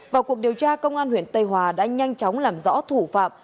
vào cuộc điều tra công an huyện tây hòa đã nhanh chóng làm rõ thủ phạm